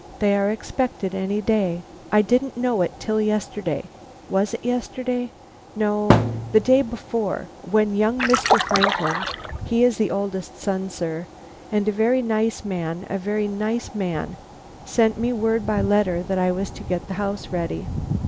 "They are expected any day. I didn't know it till yesterday was it yesterday? No, the day before when young Mr. Franklin he is the oldest son, sir, and a very nice man, a very nice man sent me word by letter that I was to get the house ready.